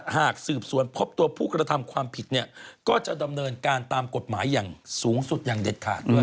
หากสืบสวนพบตัวผู้กระทำความผิดเนี่ยก็จะดำเนินการตามกฎหมายอย่างสูงสุดอย่างเด็ดขาดด้วย